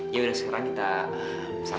yaudah sekarang kita sarapan dik